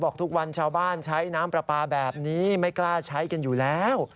ทุกวันชาวบ้านใช้น้ำปลาปลาแบบนี้ไม่กล้าใช้กันอยู่แล้ว